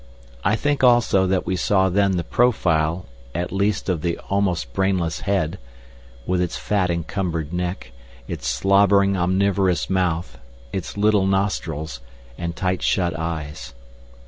I think also that we saw then the profile at least of the almost brainless head, with its fat encumbered neck, its slobbering omnivorous mouth, its little nostrils, and tight shut eyes.